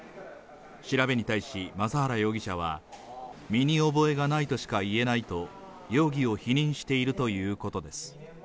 調べに対し昌原容疑者は、身に覚えがないとしか言えないと、容疑を否認しているということです。